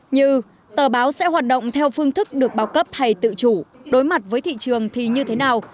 như tờ báo sẽ hoạt động theo phương thức được bao cấp hay tự chủ đối mặt với thị trường thì như thế nào